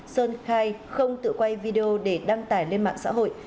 sơn khai không tự quay video để đăng tải lên mạng xã hội